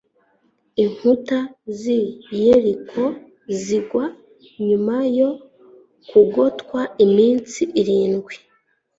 inkuta z i Yeriko zigwa nyuma yo kugotwa iminsi irindwi